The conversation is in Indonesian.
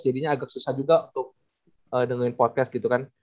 jadinya agak susah juga untuk nengoin podcast gitu kan